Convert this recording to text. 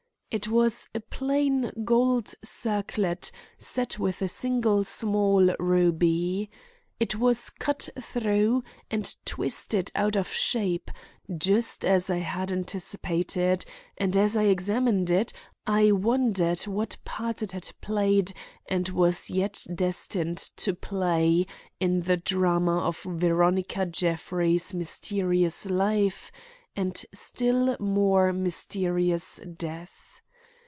It was a plain gold circlet set with a single small ruby. It was cut through and twisted out of shape, just as I had anticipated; and as I examined it I wondered what part it had played and was yet destined to play in the drama of Veronica Jeffrey's mysterious life and still more mysterious death.